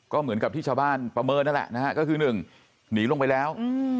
ก็เหมือนกับที่ชาวบ้านประเมินนั่นแหละนะฮะก็คือ๑หนีลงไปแล้ว